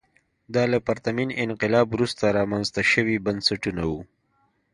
دا له پرتمین انقلاب وروسته رامنځته شوي بنسټونه وو.